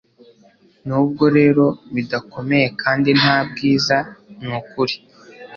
Nubwo rero bidakomeye kandi nta bwiza ni ukuri